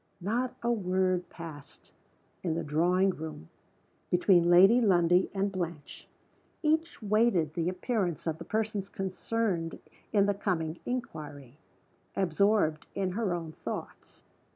Not a word passed, in the drawing room, between Lady Lundie and Blanche. Each waited the appearance of the persons concerned in the coming inquiry, absorbed in her own thoughts.